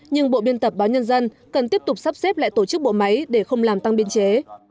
nhưng bộ biên tập báo nhân dân cần tiếp tục sắp xếp lại tổ chức bộ máy để không làm tăng biên chế